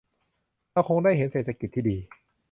เราคงได้เห็นเศรษฐกิจที่ดี